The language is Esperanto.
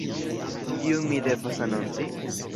Kiun mi devas anonci?